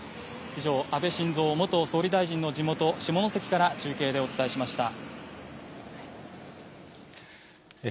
以上、安倍晋三元総理大臣の地元、下関から中継でお伝えしました。